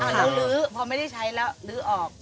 ลื้อพอไม่ได้ใช้แล้วลื้อออก